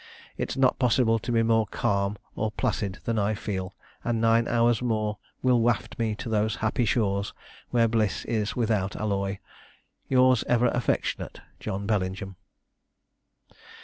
It's not possible to be more calm or placid than I feel, and nine hours more will waft me to those happy shores where bliss is without alloy. Yours ever affectionate, JOHN BELLINGHAM."